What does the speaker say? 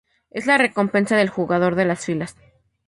Esta es la recompensa del jugador de las filas.